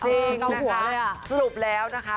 จริงนะคะสรุปแล้วนะคะ